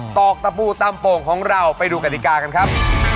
ตอกตะปูตำโป่งของเราไปดูกฎิกากันครับ